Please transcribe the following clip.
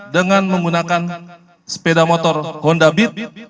dengan menggunakan sepeda motor honda bit